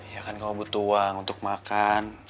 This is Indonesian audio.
ya kan kamu butuh uang untuk makan